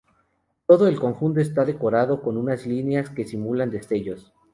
Todo el conjunto está decorado con unas líneas, que simulan destellos.